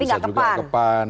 bisa juga ke pan